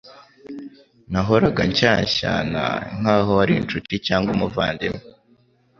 Nahoraga nshyashyana nk’aho ari incuti cyangwa umuvandimwe